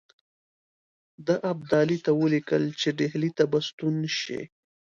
ده ابدالي ته ولیکل چې ډهلي ته به ستون شي.